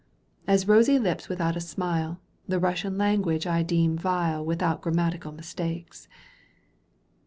As rosy lips without a smile, The Eussian language I deem vile "Without grammatical mistakes.